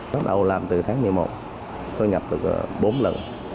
bắt đầu làm từ tháng một mươi một thu nhập được bốn lần